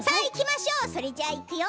それじゃあ、いくよ。